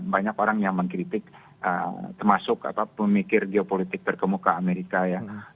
banyak orang yang mengkritik termasuk pemikir geopolitik terkemuka amerika ya